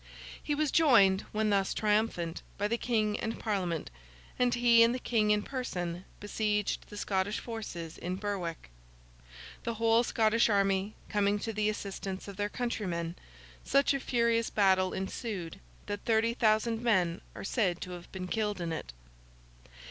He was joined, when thus triumphant, by the King and Parliament; and he and the King in person besieged the Scottish forces in Berwick. The whole Scottish army coming to the assistance of their countrymen, such a furious battle ensued, that thirty thousand men are said to have been killed in it.